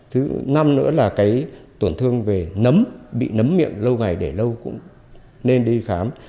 thứ năm nữa là cái tổn thương về nấm bị nấm miệng lâu ngày để lâu cũng nên đi khám